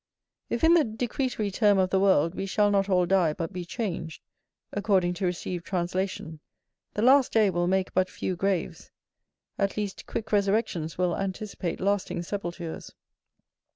If in the decretory term of the world we shall not all die but be changed, according to received translation, the last day will make but few graves; at least quick resurrections will anticipate lasting sepultures.